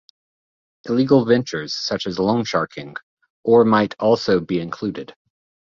Illegal ventures such as loansharking, or might also be included.